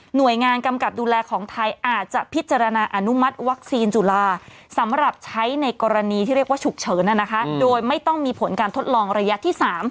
โดยงานกำกับดูแลของไทยอาจจะพิจารณาอนุมัติวัคซีนจุฬาสำหรับใช้ในกรณีที่เรียกว่าฉุกเฉินโดยไม่ต้องมีผลการทดลองระยะที่๓